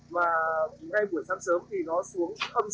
mà ngay buổi sáng sớm thì nó xuống sáu độ c